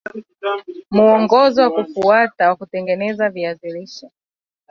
Muongozo wa kufuata kutengeneza viazi lishe